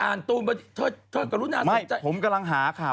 อ่านจุดรุ่นมาสิ่งใจ